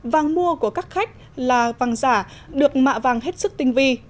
vàng mua của các khách là vàng giả được mạ vàng hết sức tinh vi